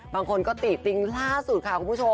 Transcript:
บางคนก็ตีปริงล่าสุดค่ะ